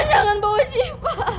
aku mau jangan bawa syifa